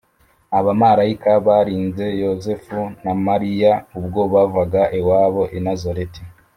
Abamarayika barinze Yosefu na Mariya ubwo bavaga iwabo i Nazareti